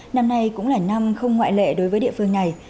năm nay cũng là năm không ngoại lệ đối với địa phương này